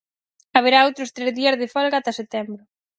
Haberá outros tres días de folga ata setembro.